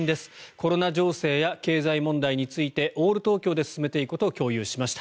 コロナ情勢や経済問題についてオール東京で進めていくことを共有しました。